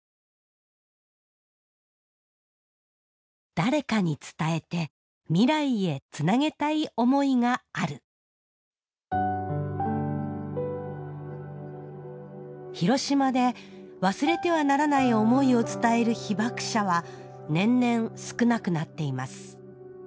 誰かに伝えて未来へつなげたい思いがある広島で忘れてはならない思いを伝える被爆者は年々少なくなっています。